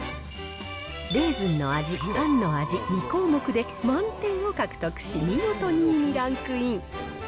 レーズンの味、パンの味、２項目で満点を獲得し、見事２位にランクイン。